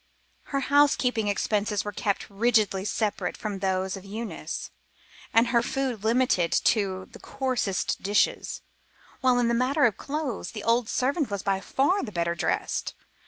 Her housekeeping expenses were kept rigidly separate from those of Eunice and her food limited to the coarsest dishes, while in the matter of clothes, the old servant was by far the better dressed.